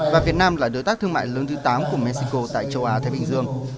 và việt nam là đối tác thương mại lớn thứ tám của mexico tại châu á thái bình dương